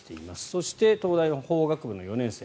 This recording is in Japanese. そして、東大の法学部の４年生。